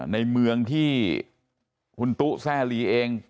ในเมืองที่คุณตุ๊แซ่ลีเอง